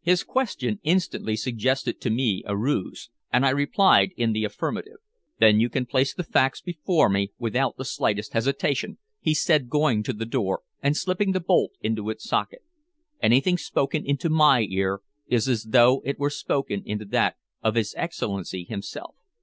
His question instantly suggested to me a ruse, and I replied in the affirmative. "Then you can place the facts before me without the slightest hesitation," he said, going to the door and slipping the bolt into its socket. "Anything spoken into my ear is as though it were spoken into that of his Excellency himself."